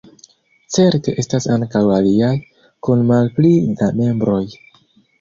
Certe estas ankaŭ aliaj, kun malpli da membroj.